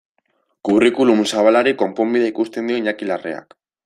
Curriculum zabalari konponbidea ikusten dio Iñaki Larreak.